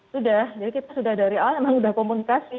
sudah jadi kita sudah dari awal memang sudah komunikasi